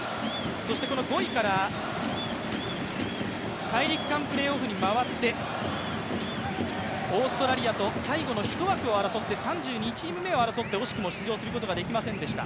そしてこの５位から大陸間プレーオフに回ってオーストラリアと最後の１枠を争って、３２チーム目を争って惜しくも出場することができませんでした、